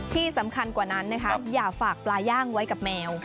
ที่สำคัญกว่านั้นนะคะอย่าฝากปลาย่างไว้กับแมว